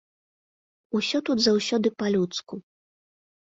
Усё тут заўсёды па-людску.